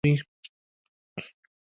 مچمچۍ د خپل ملکې ساتنه کوي